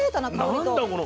何だこの。